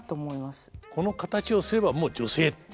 この形をすればもう女性っていう？